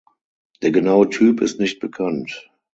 Der genaue Typ ist nicht bekannt.